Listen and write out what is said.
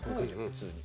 普通に。